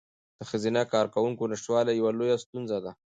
د ښځینه کارکوونکو نشتوالی یوه لویه ستونزه ده.